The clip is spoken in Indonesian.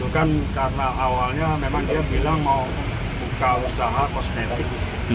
karena awalnya memang dia bilang mau buka usaha kosmetik